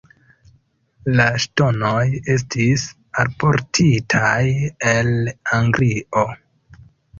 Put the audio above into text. La ŝtonoj estis alportitaj el Anglio.